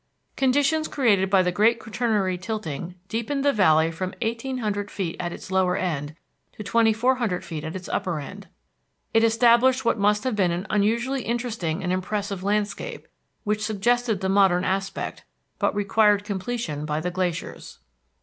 Conditions created by the great Quaternary tilting deepened the valley from eighteen hundred feet at its lower end to twenty four hundred feet at its upper end. It established what must have been an unusually interesting and impressive landscape, which suggested the modern aspect, but required completion by the glaciers.